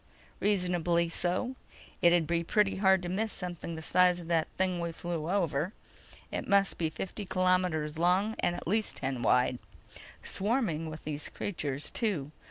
"Reasonably so. It'd be pretty hard to miss something the size of that thing we flew over. It must be fifty kilometers long and at least ten wide. Swarming with these creatures, too.